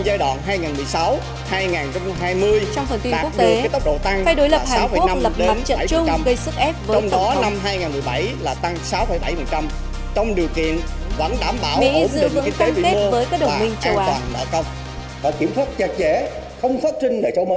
mỹ dự vững tâm kết với các đồng minh châu á